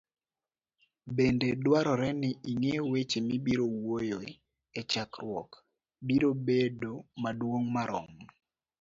Bende dwarore ni ing'e weche mibiro wuoyoe e chokruok biro bedo madongo marom